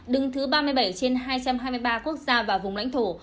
đứng thứ ba mươi bảy trên hai trăm hai mươi ba quốc gia và vùng lãnh thổ